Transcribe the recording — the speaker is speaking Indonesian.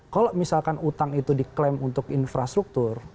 kalau misalkan utang itu diklaim untuk infrastruktur